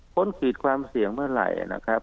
ขีดความเสี่ยงเมื่อไหร่นะครับ